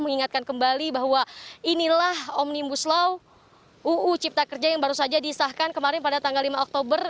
mengingatkan kembali bahwa inilah omnibus law uu cipta kerja yang baru saja disahkan kemarin pada tanggal lima oktober